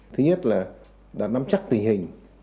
thứ nhất là đã nắm chắc tình hình